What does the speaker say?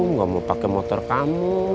nggak mau pakai motor kamu